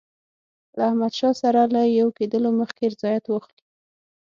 له احمدشاه سره له یو کېدلو مخکي رضایت واخلي.